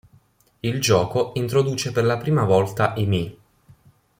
Il gioco introduce per la prima volta i Mii.